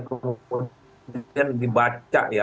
kemudian dibaca ya